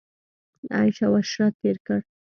عیش او عشرت تېر کړ.